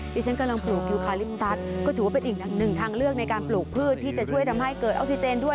ดิฉันกำล่าปลูกกรีวิมครัยริมรุมต๊าตก็ถือว่าเป็นอีกหนึ่งหนึ่งทางเลือกในการปลูกพืชที่จะช่วยทำให้เกิดออศิเจนด้วย